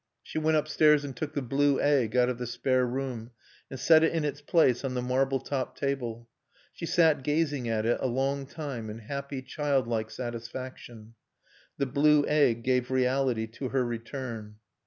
She went upstairs and took the blue egg out of the spare room and set it in its place on the marble topped table. She sat gazing at it a long time in happy, child like satisfaction. The blue egg gave reality to her return.